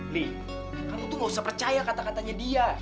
nih kamu tuh gak usah percaya kata katanya dia